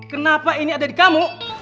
kenapa ini ada di kamu